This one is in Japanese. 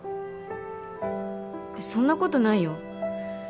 そんな事ないよ。